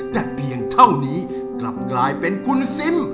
แต่เพียงเท่านี้กลับกลายเป็นคุณซิม